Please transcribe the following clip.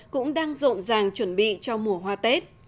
cũng đang rộn ràng chuẩn bị cho mùa hoa tết